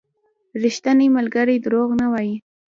• ریښتینی ملګری دروغ نه وايي.